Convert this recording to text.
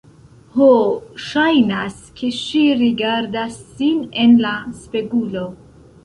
Ho, ŝajnas, ke ŝi rigardas sin en la spegulo